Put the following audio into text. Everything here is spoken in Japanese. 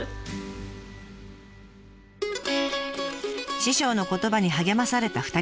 師匠の言葉に励まされた２人。